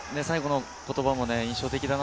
最後の言葉も印象的だな。